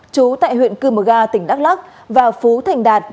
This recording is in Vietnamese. chú tại huyện cư mờ ga tỉnh đắk lắc và phú thành đạt